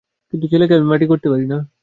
কিন্তু ছেলেকে আমি মাটি করতে পারি না ।